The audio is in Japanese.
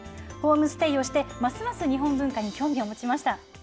ホームステイをして、ますます日本文化に興味を持ちました。